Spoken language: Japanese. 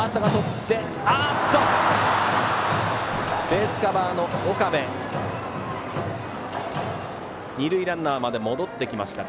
ベースカバーの岡部二塁ランナーまでかえってきました。